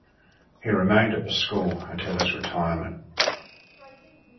He remained at the school until his retirement.